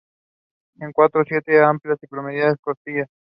Con cuatro a siete amplias y prominentes costillas.